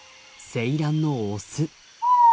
セイランのオス。